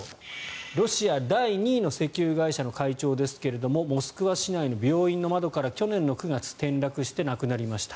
ロシア第２位の石油会社の会長ですがモスクワ市内の病院の窓から去年の９月転落して亡くなりました。